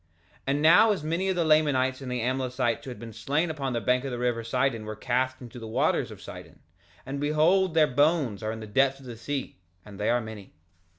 3:3 And now as many of the Lamanites and the Amlicites who had been slain upon the bank of the river Sidon were cast into the waters of Sidon; and behold their bones are in the depths of the sea, and they are many.